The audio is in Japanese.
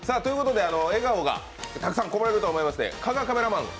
笑顔がたくさんこぼれると思いまして、加賀カメラマン